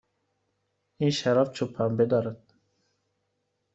این شراب چوب پنبه دارد.